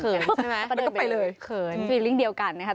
เขินใช่ไหมแล้วก็ไปเลยเกินคิดวิ่งเดียวกันนะครับ